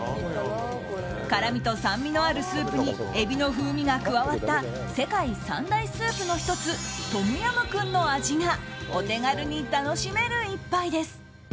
辛みと酸味のあるスープにエビの風味が加わった世界３大スープの１つトムヤムクンの味がお手軽に楽しめる１杯です。